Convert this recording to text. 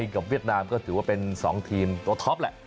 กับเวียดนามก็ถือว่าเป็น๒ทีมตัวท็อปแหละ